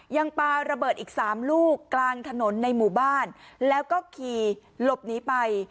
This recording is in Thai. ปลาระเบิดอีก๓ลูกกลางถนนในหมู่บ้านแล้วก็ขี่หลบหนีไป